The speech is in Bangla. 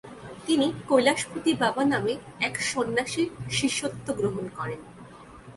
তিনি কৈলাশপতি বাবা নামে এক সন্ন্যাসীর শিষ্যত্ব গ্রহণ করেন।